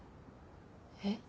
えっ？